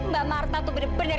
mbak marta tuh bener bener